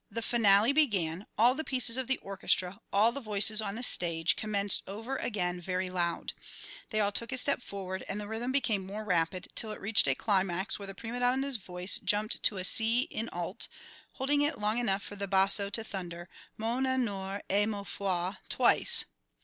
The finale began; all the pieces of the orchestra, all the voices on the stage, commenced over again very loud. They all took a step forward, and the rhythm became more rapid, till it reached a climax where the prima donna's voice jumped to a C in alt, holding it long enough for the basso to thunder, "Mon honneur et ma foi" twice.